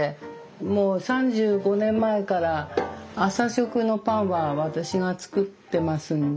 もう３５年前から朝食のパンは私が作ってますんで。